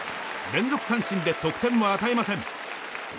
連続三振で得点を与えません。